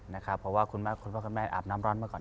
เพราะว่าคุณพ่อคุณแม่อาบน้ำร้อนมาก่อน